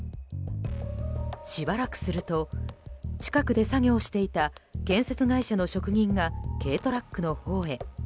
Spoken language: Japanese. しばらくすると近くで作業していた建設会社の職人が軽トラックのほうへ。